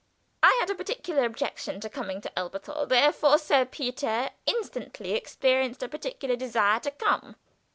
I had a particular objection to coming to Elberthal, therefore Sir Peter instantly experienced a particular desire to come.